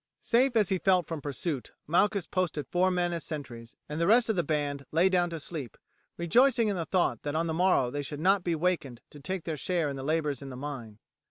Safe as he felt from pursuit Malchus posted four men as sentries, and the rest of the band lay down to sleep, rejoicing in the thought that on the morrow they should not be wakened to take their share in the labours in the mine.